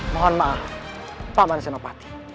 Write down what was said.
mohon maaf pak man senopati